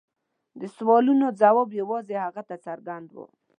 د سوالونو ځواب یوازې هغه ته څرګند و.